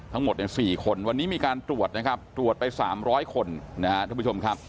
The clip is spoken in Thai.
ทั้งหมดเนี่ย๔คนวันนี้มีการตรวจนะครับตรวจไป๓๐๐คนนะครับท่านผู้ชมครับ